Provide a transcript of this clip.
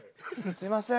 すいません